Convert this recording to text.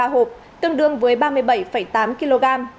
ba hộp tương đương với ba mươi bảy tám kg